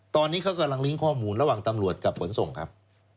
ตอนนี้เขากำลังลิงก์ข้อมูลระหว่างตำรวจกับขนส่งครับ